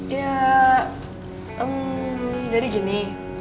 ya dari gini